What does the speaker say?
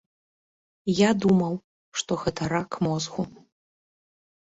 Я думаў, што гэта рак мозгу.